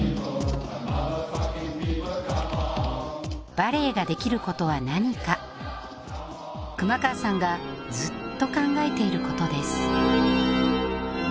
バレエができることは何か熊川さんがずっと考えていることです